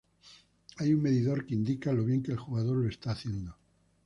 Hay un medidor que indica lo bien que el jugador lo está haciendo.